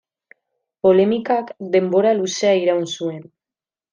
Polemikak denbora luzea iraun zuen.